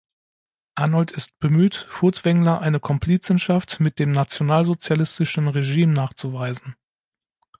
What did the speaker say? Arnold ist bemüht, Furtwängler eine Komplizenschaft mit dem nationalsozialistischen Regime nachzuweisen.